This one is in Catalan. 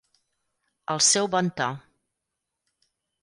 El seu bon to.